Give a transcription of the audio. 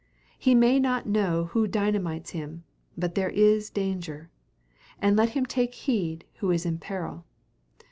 He may not know who dynamites him, but there is danger; and let him take heed who is in peril.